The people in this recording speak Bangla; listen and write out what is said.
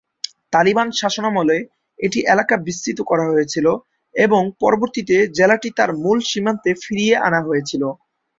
তালিবান শাসনামলে এটি এলাকা বিস্তৃত করা হয়েছিল এবং পরবর্তীতে জেলাটি তার মূল সীমান্তে ফিরিয়ে আনা হয়েছিল।